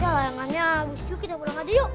ya layangannya abis yuk kita pulang aja yuk